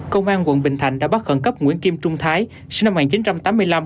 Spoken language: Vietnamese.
công an quận bình thạnh đã bắt khẩn cấp nguyễn kim trung thái sinh năm một nghìn chín trăm tám mươi năm